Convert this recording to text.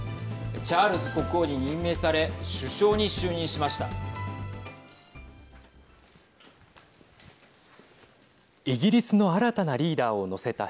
チャールズ国王に任命され首相に就任しました。